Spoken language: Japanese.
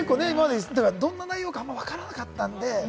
どんな内容かわからなかったので。